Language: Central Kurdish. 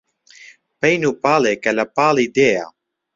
پەین و پاڵێ کە لە پاڵی دێیە